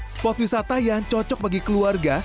spot wisata yang cocok bagi keluarga